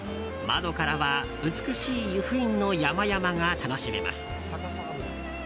窓からは美しい由布院の山々が楽しめます。